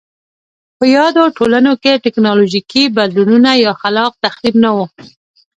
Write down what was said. په یادو ټولنو کې ټکنالوژیکي بدلونونه یا خلاق تخریب نه و